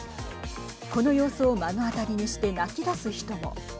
この様子を目の当たりにして泣きだす人も。